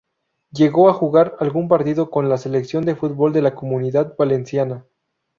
Llegó a jugar algún partido con la Selección de fútbol de la Comunidad Valenciana.